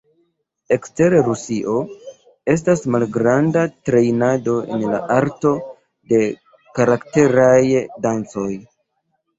Ekster Rusio, estas malgranda trejnado en la arto de karakteraj dancoj.